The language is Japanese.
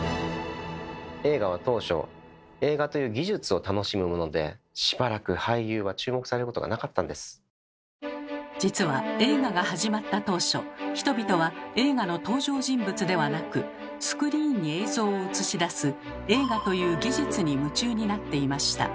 映画は当初しばらく実は映画が始まった当初人々は映画の登場人物ではなくスクリーンに映像を映し出す映画という技術に夢中になっていました。